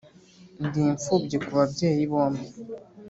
ndimfubyi kubabyeyi bombi.